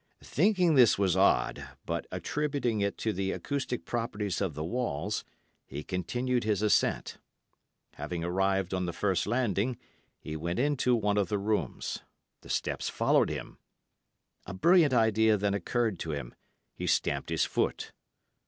Thinking this was odd, but attributing it to the acoustic properties of the walls, he continued his ascent. Having arrived on the first landing, he went into one of the rooms. The steps followed him. A brilliant idea then occurred to him—he stamped his foot.